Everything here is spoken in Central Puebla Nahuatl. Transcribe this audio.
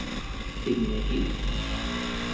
Tikneki...?